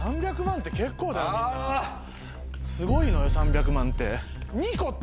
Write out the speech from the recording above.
すごいのよ３００万って。